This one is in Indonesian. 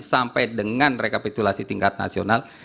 sampai dengan rekapitulasi tingkat nasional